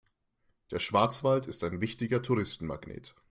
Der Schwarzwald ist ein wichtiger Touristenmagnet.